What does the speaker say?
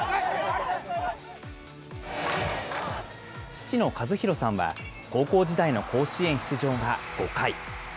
父の和博さんは、高校時代の甲子園出場が５回。